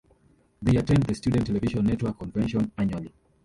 They attend the Student Television Network Convention annually.